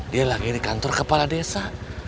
dia lagi di kantor kepala desa